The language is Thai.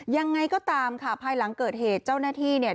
ยังไงก็ตามค่ะภายหลังเกิดเหตุเจ้าหน้าที่เนี่ย